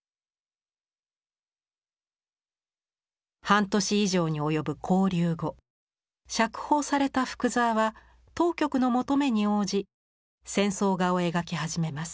半年以上に及ぶ勾留後釈放された福沢は当局の求めに応じ戦争画を描き始めます。